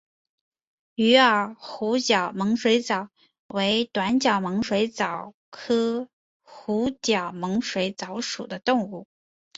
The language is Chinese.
鱼饵湖角猛水蚤为短角猛水蚤科湖角猛水蚤属的动物。